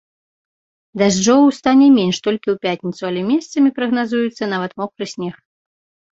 Дажджоў стане менш толькі ў пятніцу, але месцамі прагназуецца нават мокры снег.